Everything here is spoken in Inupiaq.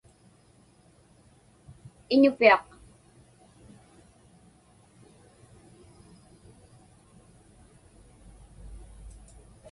Iñupiaq